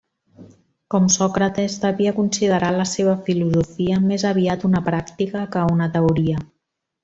Com Sòcrates, devia considerar la seva filosofia més aviat una pràctica que una teoria.